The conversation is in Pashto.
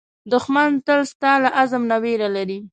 دښمن تل ستا له عزم نه وېره لري